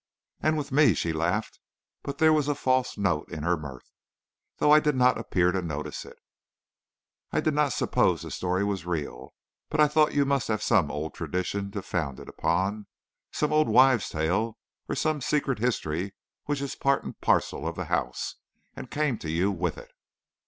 "And with me," she laughed; but there was a false note in her mirth, though I did not appear to notice it. "I did not suppose the story was real, but I thought you must have some old tradition to found it upon; some old wife's tale or some secret history which is a part and parcel of the house, and came to you with it."